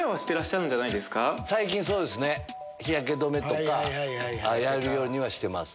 最近日焼け止めとかやるようにはしてます。